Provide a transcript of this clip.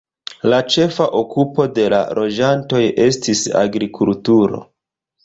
La ĉefa okupo de la loĝantoj estis agrikulturo.